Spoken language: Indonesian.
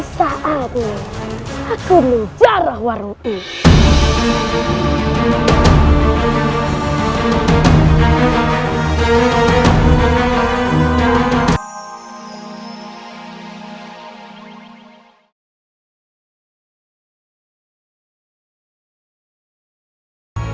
ini saatnya aku menjarah warungmu